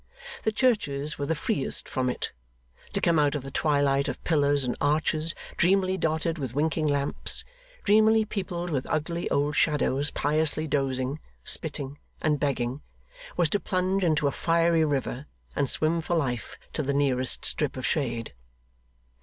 The churches were the freest from it. To come out of the twilight of pillars and arches dreamily dotted with winking lamps, dreamily peopled with ugly old shadows piously dozing, spitting, and begging was to plunge into a fiery river, and swim for life to the nearest strip of shade.